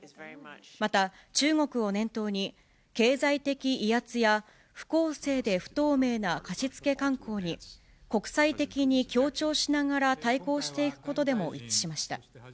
また、中国を念頭に、経済的威圧や不公正で不透明な貸付慣行に国際的に強調しながら対抗していくことでも一致しました。